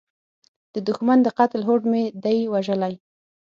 د دوښمن د قتل هوډ مې دی وژلی